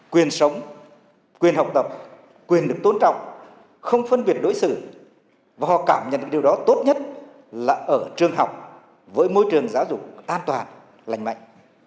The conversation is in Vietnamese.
quyền sống quyền học tập quyền được tôn trọng không phân biệt đối xử và họ cảm nhận được điều đó tốt nhất là ở trường học với môi trường giáo dục an toàn lành mạnh